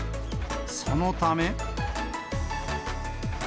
そのため。